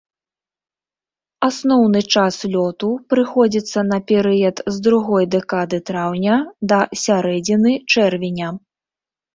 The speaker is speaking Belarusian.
Асноўны час лёту прыходзіцца на перыяд з другой дэкады траўня да сярэдзіны чэрвеня.